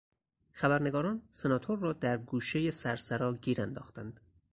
خبرنگاران سناتور را در گوشهی سرسرا گیر انداختند.